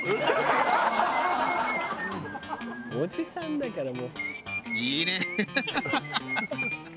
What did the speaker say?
「おじさんだからもう」